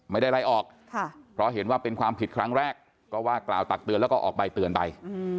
ไม่ได้ไล่ออกเพราะเห็นว่าเป็นความผิดครั้งแรกก็ว่ากล่าวตักเตือนแล้วก็ออกใบเตือนไป